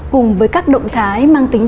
cùng với các động thái mang tính